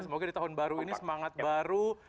semoga di tahun baru ini semangat baru